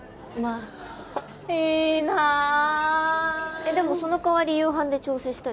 えっでもその代わり夕飯で調整したり？